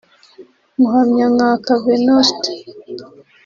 Muhamyankaka Venutse